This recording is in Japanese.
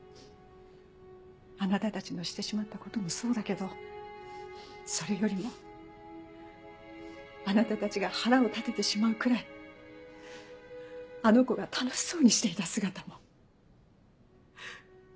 あなたたちのしてしまったこともそうだけどそれよりもあなたたちが腹を立ててしまうくらいあの子が楽しそうにしていた姿も。